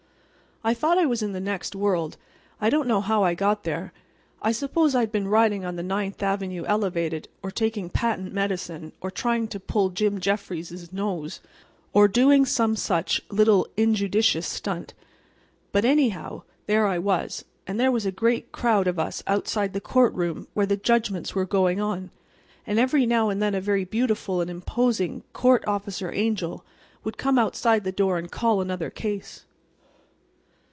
I thought I was in the next world. I don't know how I got there; I suppose I had been riding on the Ninth avenue elevated or taking patent medicine or trying to pull Jim Jeffries's nose, or doing some such little injudicious stunt. But, anyhow, there I was, and there was a great crowd of us outside the courtroom where the judgments were going on. And every now and then a very beautiful and imposing court officer angel would come outside the door and call another case.